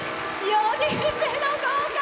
４人目の合格！